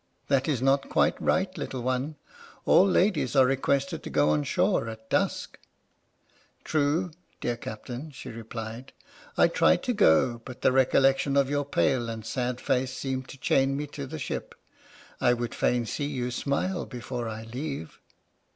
That is not quite right, little one — all ladies are requested to go on shore at dusk." 79 H.M.S. "PINAFORE" " True, dear Captain," she replied, " I tried to go, but the recollection of your pale and sad face seemed to chain me to the ship. I would fain see you smile before I leave."